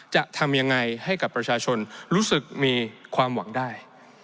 จะทำยังไงให้กับประชาชนรู้สึกมีความหวังได้